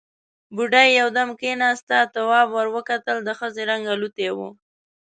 بوډۍ يودم کېناسته، تواب ور وکتل، د ښځې رنګ الوتی و.